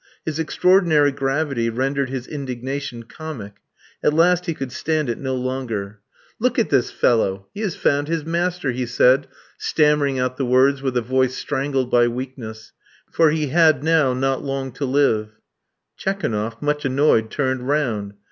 His extraordinary gravity rendered his indignation comic. At last he could stand it no longer. "Look at this fellow! He has found his master," he said, stammering out the words with a voice strangled by weakness, for he had now not long to live. Tchekounoff, much annoyed, turned round.